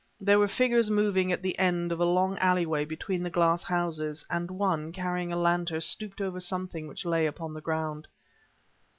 There were figures moving at the end of a long alleyway between the glass houses, and one, carrying a lantern, stooped over something which lay upon the ground.